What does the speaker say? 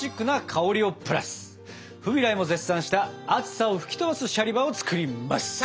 フビライも絶賛した暑さを吹き飛ばすシャリバを作ります！